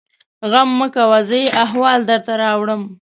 _غم مه کوه! زه يې احوال درته راوړم.